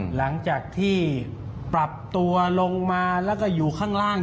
หลังจากที่ปรับตัวลงมาแล้วก็อยู่ข้างล่าง